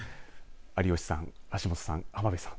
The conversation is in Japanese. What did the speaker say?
有吉さん、橋本さん、浜辺さん